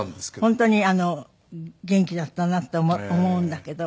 本当に元気だったなって思うんだけども。